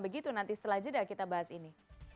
begitu nanti setelah jeda kita bahas ini